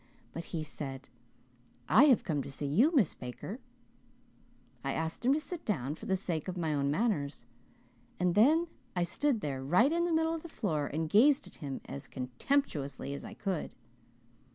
But he said, "I have come to see you, Miss Baker.' "I asked him to sit down, for the sake of my own manners, and then I stood there right in the middle of the floor and gazed at him as contemptuously as I could.